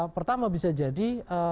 pertama bisa jadi